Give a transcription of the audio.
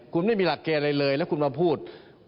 คุณไม่มีหลักเกณฑ์อะไรเลยแล้วคุณมาพูด